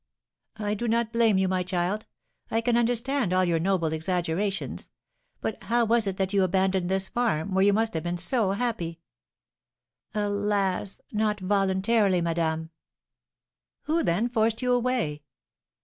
"I do not blame you, my child; I can understand all your noble exaggerations. But how was it that you abandoned this farm, where you must have been so happy?" "Alas, not voluntarily, madame!" "Who, then, forced you away?"